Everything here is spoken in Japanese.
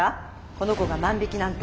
この子が万引きなんて。